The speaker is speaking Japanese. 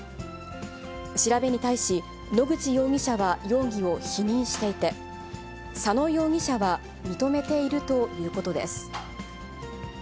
調べに対し、野口容疑者は容疑を否認していて、佐野容疑者は認めているということです。